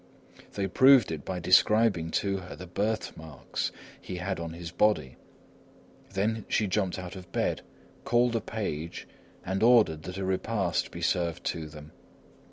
They proved it by describing to her the birthmarks he had on his body. Then she jumped out of bed, called a page, and ordered that a repast be served to them.